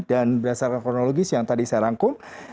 dan berdasarkan kronologis yang tadi saya rangkum